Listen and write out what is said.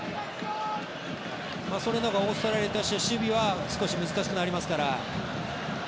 それのほうがオーストラリアとしては守備が少し難しくなりますから。